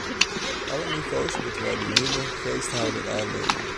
Op alle niveaus moeten wij die nieuwe geesteshouding aannemen.